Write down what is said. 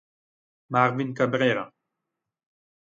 Marvin Cabrera